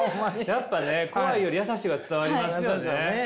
やっぱね怖いより優しいは伝わりますよね。